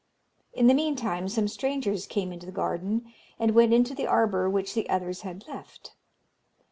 In the meantime some strangers came into the garden, and went into the arbour which the others had left.